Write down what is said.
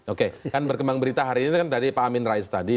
oke kan berkembang berita hari ini kan tadi pak amin rais tadi